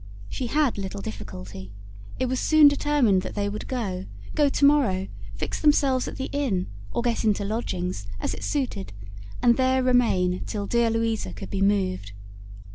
She had little difficulty; it was soon determined that they would go; go to morrow, fix themselves at the inn, or get into lodgings, as it suited, and there remain till dear Louisa could be moved.